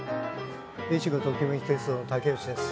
えちごトキめき鉄道の竹内です